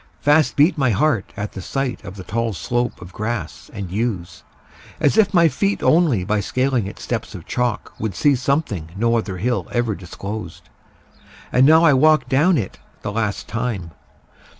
Fast beat My heart at the sight of the tall slope Or grass and yews, as if my feet Only by scaling its steps of chalk Would see something no other hill Ever disclosed. And now I walk Down it the last time.